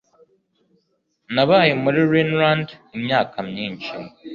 Nabaye muri Rhineland imyaka myinshi.